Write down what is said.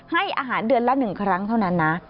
ให้อาหารเดือนละ๑ครั้งเท่านั้นนะ